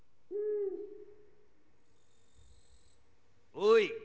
おい。